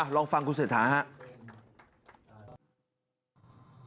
ลองฟังคุณเศรษฐาครับ